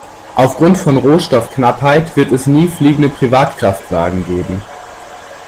Aufgrund von Rohstoffknappheit wird es nie fliegende Privatkraftwagen geben.